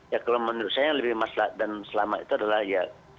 ya kalau menurut saya yang lebih masalah dan selama itu adalah ya